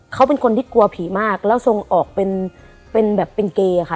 เขาเป็นคนที่กลัวผีมากแล้วทรงออกเป็นแบบเป็นเกย์ค่ะ